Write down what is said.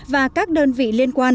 và các đơn vị liên quan